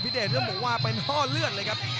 เดชต้องบอกว่าเป็นห้อเลือดเลยครับ